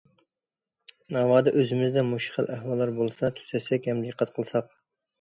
ناۋادا، ئۆزىمىزدە مۇشۇ خىل ئەھۋاللار بولسا تۈزەتسەك ھەم دىققەت قىلساق.